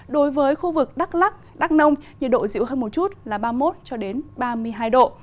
đối với khu vực đắk lắc đắk nông nhiệt độ dịu hơn một chút là ba mươi một ba mươi hai độ